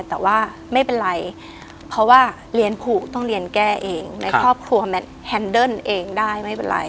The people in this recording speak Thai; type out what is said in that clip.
แต่ว่าไม่เป็นไรเพราะว่าเรียนผูกต้องเรียนแก้เองในครอบครัวแฮนเดิร์นเองได้ไม่เป็นไร